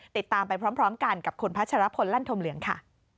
ติดตามไปพร้อมกันกับคุณพัชรพลลั่นธมเหลืองค่ะ